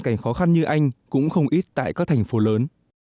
cảnh khó khăn như anh cũng không ít tại các thành phố lớn